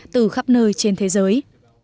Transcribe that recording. từ khắp nơi trên thế giới